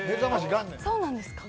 そうなんですか？